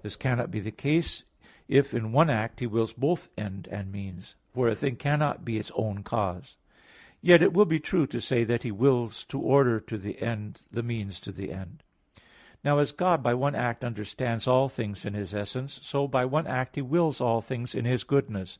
This cannot be the case if in one act he wills both end and means; for a thing cannot be its own cause. Yet it will be true to say that he wills to order to the end the means to the end. Now as God by one act understands all things in His essence, so by one act He wills all things in His goodness.